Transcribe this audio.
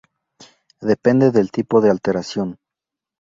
Depende del tipo de alteración.